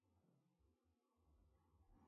محترمہ مریم ایک عرصہ سے متحرک ہیں۔